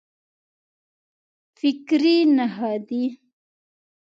فکري نهادونو ماشوم روزنې ته ونه لېدل.